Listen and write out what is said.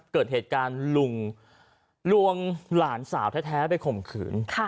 เกิดเหตุการณ์ลุงลวงหลานสาวแท้ไปข่มขืน